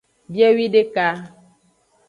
Biewideka.